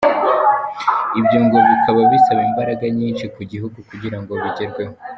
Ibyo ngo bikaba bisaba imbaraga nyinshi ku gihugu kugira ngo bigerweho.